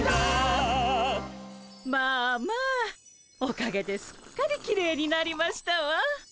まあまあおかげですっかりきれいになりましたわ。